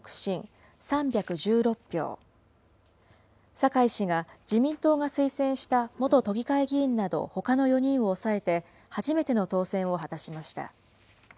酒井氏が自民党が推薦した元都議会議員などほかの４人を抑えて、初めての当選を果たしました。